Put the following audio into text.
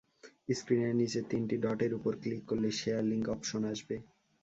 স্ক্রিনের নিচে তিনটি ডটের ওপর ক্লিক করলে শেয়ার লিংক অপশন আসবে।